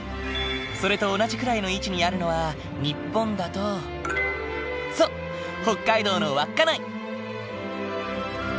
それと同じくらいの位置にあるのは日本だとそう北海道の稚内。